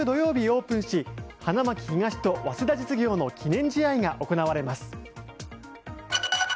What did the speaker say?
オープンし花巻東と早稲田実業の記念試合が行われます。